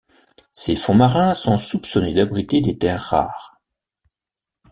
Ses fonds marins sont soupçonnés d'abriter des terres rares.